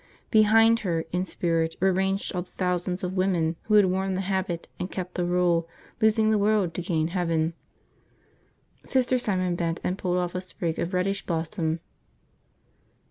Behind her, in spirit, were ranged all the thousands of women who had worn the habit and kept the rule, losing the world to gain heaven. Sister Simon bent and pulled off a sprig of radish blossom.